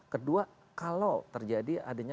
kedua kalau terjadi adanya